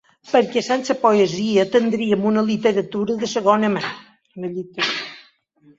Perquè sense poesia tindríem una literatura de segona divisió.